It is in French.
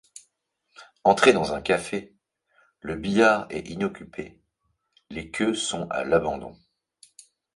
Entrez dans un café ; le billard est inoccupé, les queues sont à l’abandon.